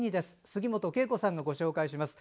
杉本恵子さんがご紹介します。